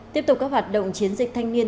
tiếp tục các hoạt động chiến dịch thanh niên